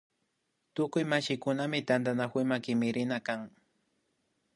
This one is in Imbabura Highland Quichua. Tukuy mashikunami tantanakuyma kimirina kan